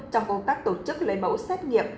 trong công tác tổ chức lấy mẫu xét nghiệm